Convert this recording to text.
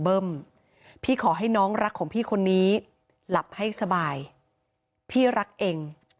เบิ้มพี่ขอให้น้องรักของพี่คนนี้หลับให้สบายพี่รักเอง